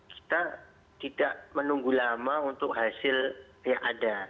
kita tidak menunggu lama untuk hasil yang ada